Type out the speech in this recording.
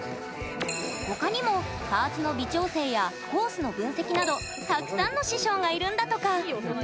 ほかにも、パーツの微調整やコースの分析などたくさんの師匠がいるんだとか。